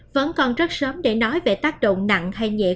vẫn còn rất sớm để nói về tác động nặng